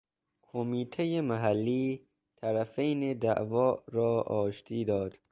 کمیتهٔ محلی طرفین دعواء را آشتی داد.